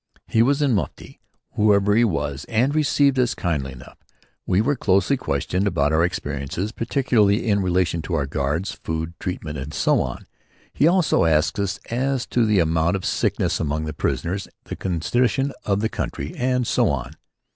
He was in mufti, whoever he was, and received us kindly enough. We were closely questioned about our experiences, particularly in relation to our guards, food, treatment, and so on. He also asked us as to the amount of sickness among the prisoners, the condition of the country, and so on.